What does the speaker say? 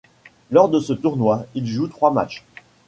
Lors de ce tournoi, il joue trois matchs.